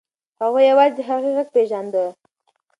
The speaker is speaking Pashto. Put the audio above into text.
هغه یوازې د هغې غږ پیژانده.